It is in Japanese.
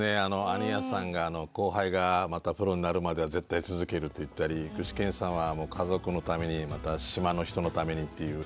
安仁屋さんが後輩がまたプロになるまでは絶対続けると言ったり具志堅さんは家族のためにまた島の人のためにっていう。